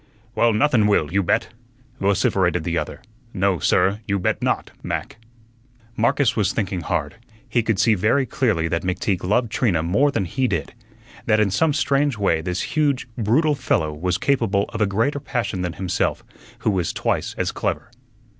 "Well, nothun will, you bet!" vociferated the other. "No, sir; you bet not, Mac." Marcus was thinking hard. He could see very clearly that McTeague loved Trina more than he did; that in some strange way this huge, brutal fellow was capable of a greater passion than himself, who was twice as clever.